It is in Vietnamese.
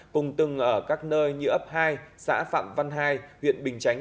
cùng từng ở các nơi như ấp hai xã phạm văn hai huyện bình chánh